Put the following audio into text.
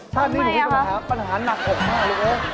ชาตินี้หนูมีปัญหาหนักออกมากเลยเว้ย